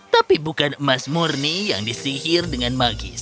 tapi bukan emas murni yang disihir dengan magis